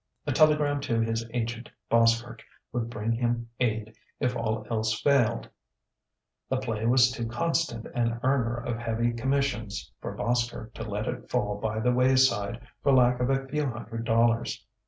A telegram to his agent, Boskerk, would bring him aid if all else failed; the play was too constant an earner of heavy commissions for Boskerk to let it fall by the wayside for lack of a few hundred dollars.